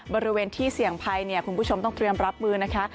บริเวณที่เสี่ยงภัยเนี่ยคุณผู้ชมต้องเตรียมรับมือนะคะ